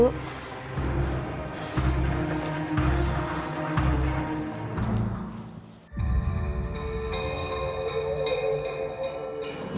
tidak ada apa apa